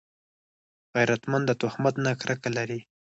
غیرتمند د تهمت نه کرکه لري